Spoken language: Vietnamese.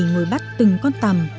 ngồi bắt từng con tầm